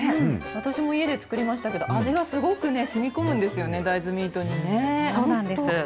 私も家で作りましたけど、味がすごくしみこむんですよね、大そうなんです。